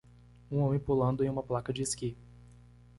Um homem pulando em uma placa de esqui.